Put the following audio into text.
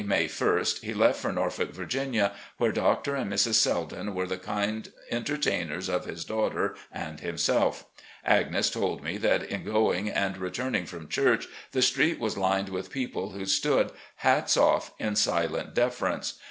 May ist, he left for Norfolk, Virginia, where Dr. and Mrs. Selden were the kind entertainers of his daughter and himself. Agnes told me that in going and returning from church the street was lined with people who stood, hats off, in silent deference.